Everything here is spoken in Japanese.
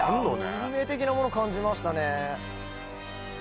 運命的なもの感じましたね